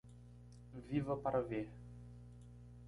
Viva para ver